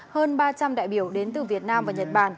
hơn ba trăm linh đại biểu đến từ việt nam và nhật bản